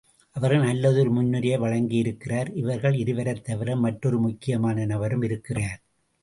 அவர் நல்லதொரு முன்னுரையை வழங்கியிருக்கிறார் இவர்கள் இருவரைத் தவிர மற்றொரு முக்கியமான நபரும் இருக்கிறார்.